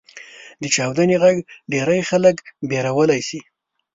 • د چاودنې ږغ ډېری خلک وېرولی شي.